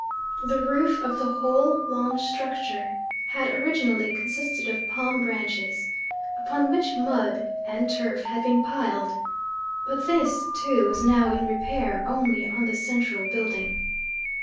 The roof of the whole long structure had originally consisted of palm branches, upon which mud and turf had been piled; but this, too, was now in repair only on the central building.